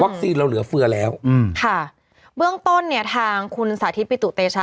วัคซีนเราเหลือเฟือแล้วค่ะเรื่องต้นเนี้ยทางคุณสาธิตปิตุเตชะ